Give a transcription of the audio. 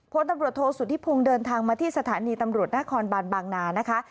พลตำรวจโทษสุธิพงศ์เดินทางมาที่สถานีตำรวจนครบานบางนานะคะ